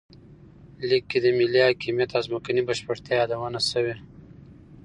لیک کې د ملي حاکمیت او ځمکنۍ بشپړتیا یادونه شوې.